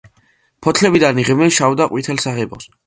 ფოთლებიდან იღებენ შავ და ყვითელ საღებავს.